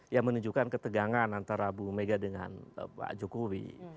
yang menunjukkan ketegangan antara bu mega dengan pak jokowi